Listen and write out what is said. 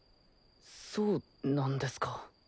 そうなんですか？